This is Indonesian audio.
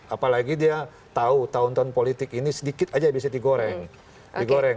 apalagi dia tahu tahun tahun politik ini sedikit aja bisa digoreng